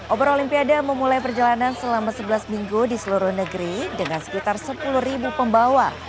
obor olimpiade memulai perjalanan selama sebelas minggu di seluruh negeri dengan sekitar sepuluh pembawa